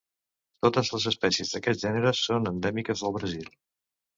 Totes les espècies d'aquest gènere són endèmiques del Brasil.